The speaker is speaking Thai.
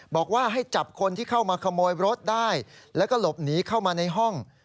บอกว่าให้จับคนที่เข้ามาขโมยรถได้แล้วก็หลบหนีเข้ามาในห้อง